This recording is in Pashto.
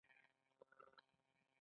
دا شپیته کورنۍ په اووه ډلو وېشل کېږي